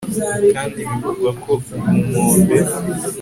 kandi bivugwa ko ku nkombe